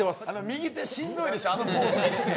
右手しんどいでしょ、あのポーズして。